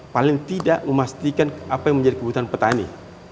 paling tidak memastikan apa yang menjadi kebutuhan petani